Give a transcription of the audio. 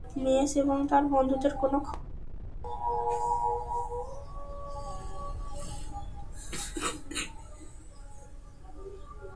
Mace এবং তার বন্ধুদের কোনো খবর আছে?